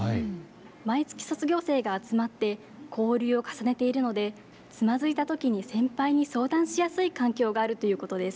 毎月、卒業生が集まって交流を重ねているのでつまずいたときに先輩に相談しやすい環境があるということです。